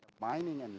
di bagian minyak dan